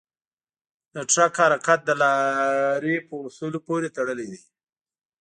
د ټرک حرکت د لارې په اصولو پورې تړلی دی.